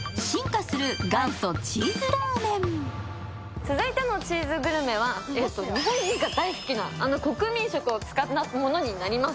続いてのチーズグルメは日本人が大好きなあの国民食を使ったものになります。